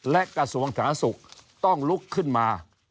และกระทรวงสาธารณสุขต้องลุกขึ้นมา